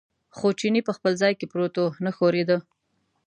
خو چیني په خپل ځای کې پروت و، نه ښورېده.